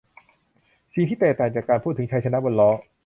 สิ่งที่แตกต่างจากการพูดถึงชัยชนะบนล้อ